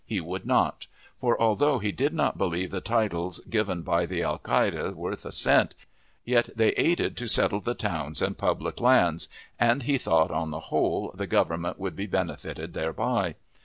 he would not; for, although he did not believe the titles given by the alcaldes worth a cent, yet they aided to settle the towns and public lands, and he thought, on the whole, the Government would be benefited thereby.